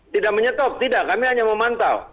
tidak menyetop tidak kami hanya memantau